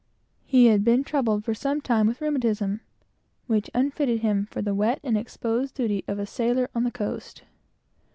He had been troubled for some time with the rheumatism, which unfitted him for the wet and exposed duty of a sailor on the coast.